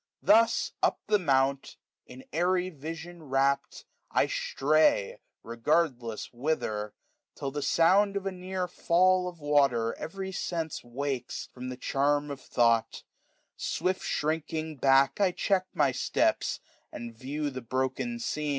Thus up the mount, in airy vision rapt, 585 I stray, regardless whither ; till the sound Of a near £dl of water every sense WsdLcs from the charm of thought: swift shrinking backf I check my ^teps, and view the broken scene.